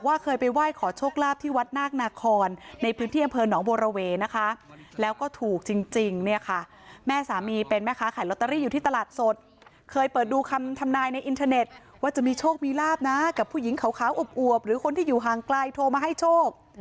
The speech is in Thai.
ว่าจะมีโชคมีราบนะกับผู้หญิงขาวอบหรือคนที่อยู่ทางใกล้โทรมาให้โชค